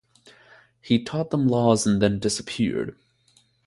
He taught them laws and then disappeared.